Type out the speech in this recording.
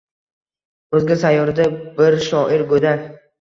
O‘zga sayyorada bir shoir go‘dak